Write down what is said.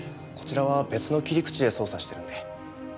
こちらは別の切り口で捜査してるんで。